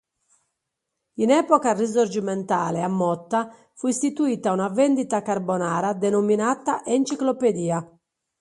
In epoca risorgimentale a Motta fu istituita una vendita Carbonara denominata Enciclopedia.